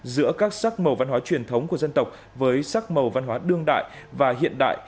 giữa các sắc màu văn hóa truyền thống của dân tộc với sắc màu văn hóa đương đại và hiện đại